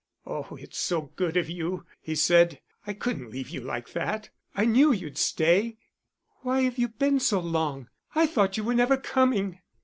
"Oh, it's so good of you," he said. "I couldn't leave you like that. I knew you'd stay." "Why have you been so long? I thought you were never coming."